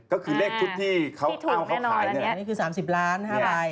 ก็คือเลขชุดที่เขาเอาเขาขาย